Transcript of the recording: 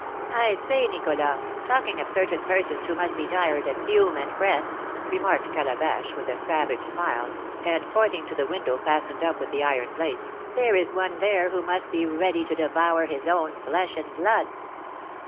"I say, Nicholas, talking of certain persons who must be tired, and fume, and fret," remarked Calabash, with a savage smile, and pointing to the window fastened up with the iron plates, "there is one there who must be ready to devour his own flesh and blood."